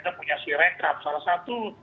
kita punya si rekap salah satu